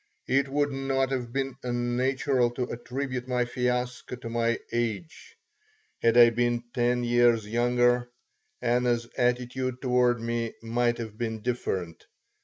It would not have been unnatural to attribute my fiasco to my age. Had I been ten years younger, Anna's attitude toward me might have been different.